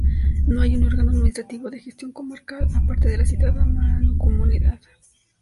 No hay un órgano administrativo de gestión comarcal aparte de la citada mancomunidad.